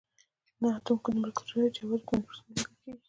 نه اتوم دومره کوچنی دی چې یوازې په مایکروسکوپ لیدل کیږي